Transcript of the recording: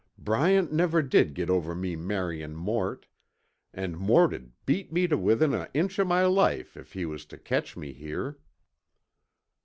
"Bryant never did get over me marryin' Mort, an' Mort'd beat me tuh within a inch of my life if he was tuh catch me here."